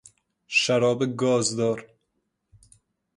شراب گازدار